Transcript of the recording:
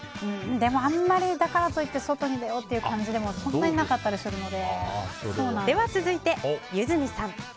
でもあまり、だからといって外に出ようという感じじゃそんなになかったりするので。